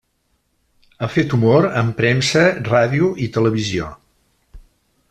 Ha fet humor en premsa, ràdio i televisió.